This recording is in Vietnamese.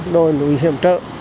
nồi núi hiểm trợ